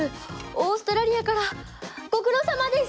オーストラリアからご苦労さまです！